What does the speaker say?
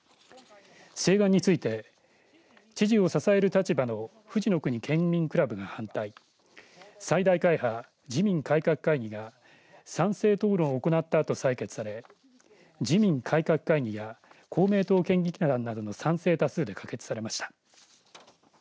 請願について知事を支える立場のふじのくに県民クラブが反対最大会派自民改革会議が賛成討論を行ったあと採決され自民改革会議や公明党県議団などの賛成多数で可決されました。